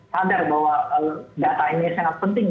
sadar bahwa data ini sangat penting